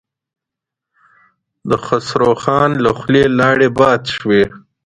د خسرو خان له خولې لاړې باد شوې.